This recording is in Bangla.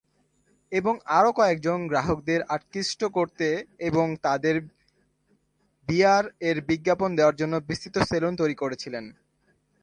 এবং আরও কয়েকজন গ্রাহকদের আকৃষ্ট করতে এবং তাদের বিয়ার-এর বিজ্ঞাপন দেওয়ার জন্য বিস্তৃত সেলুন তৈরি করেছিলেন।